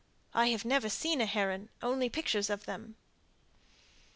I have never seen a heron, only pictures of them."